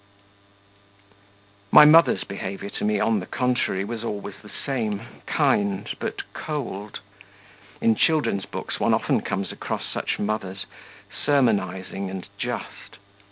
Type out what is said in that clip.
My mother's behaviour to me, on the contrary, was always the same, kind, but cold. In children's books one often comes across such mothers, sermonising and just.